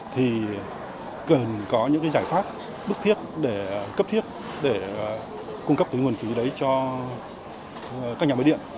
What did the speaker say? thì cần có những cái giải pháp bức thiết để cấp thiết để cung cấp cái nguồn khí đấy cho các nhà máy điện